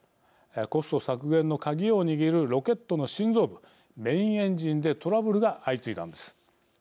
コスト削減の鍵を握るロケットの心臓部メインエンジンでトラブルが相次いだのです。